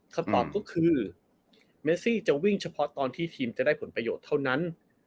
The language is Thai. คำตอบก็คือเมซี่จะวิ่งเฉพาะตอนที่ทีมจะได้ผลประโยชน์เท่านั้น